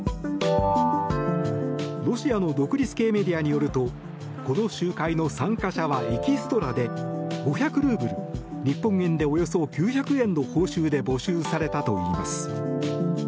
ロシアの独立系メディアによるとこの集会の参加者はエキストラで５００ルーブル日本円でおよそ９００円の報酬で募集されたといいます。